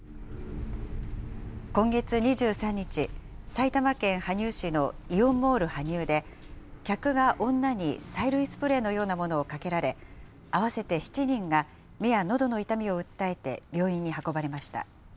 今月２３日、埼玉県羽生市のイオンモール羽生で、客が女に催涙スプレーのようなものをかけられ、合わせて７人が目やのどの痛みを訴えて、病院に運ばれました。